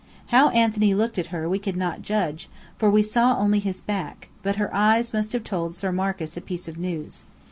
How Anthony looked at her we could not judge, for we saw only his back; but her eyes must have told Sir Marcus a piece of news.